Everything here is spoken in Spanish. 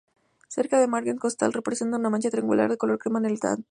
Cerca del margen costal, presenta una mancha triangular de color crema en el centro.